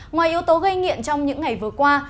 ngoài yếu tố gây nghiện trong những ngày vừa qua